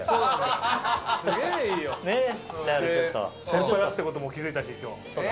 先輩だってことも気付いたし今日。